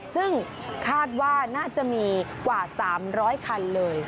ซึ่งคาดว่าน่าจะมีกว่า๓๐๐คันเลย